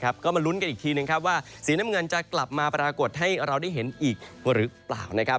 ก็มาลุ้นกันอีกทีว่าสีน้ำเงินจะกลับมาปรากฏให้เราได้เห็นอีกหรือเปล่านะครับ